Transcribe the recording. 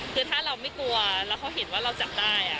คือถ้าเราไม่กลัวแล้วเขาเห็นว่าเราจับได้